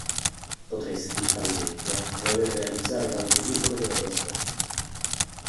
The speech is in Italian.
Potresti, ad esempio, voler realizzare l'Audiolibro della tua storia.